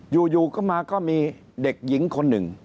อยู่ก็มาก็มีเด็กหญิงคนหนึ่ง